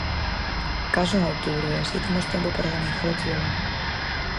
Caso en outubro e así temos tempo para organizalo todo ben.